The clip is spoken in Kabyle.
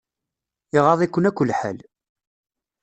Iɣaḍ-ikun akk lḥal.